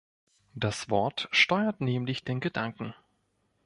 Das Wort steuert nämlich den Gedanken.